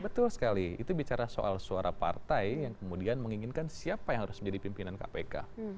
betul sekali itu bicara soal suara partai yang kemudian menginginkan siapa yang harus menjadi pimpinan kpk